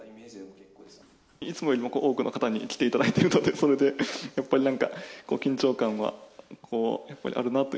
いつもよりも多くの方に来ていただいてて、それでやっぱりなんか緊張感は、やっぱりあるなと。